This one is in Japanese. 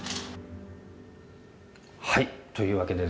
はいというわけでですね